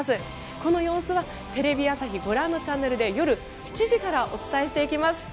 この様子はテレビ朝日ご覧のチャンネルで夜７時からお伝えしていきます。